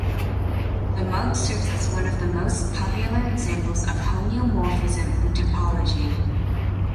The mug serves as one of the most popular examples of homeomorphism in topology.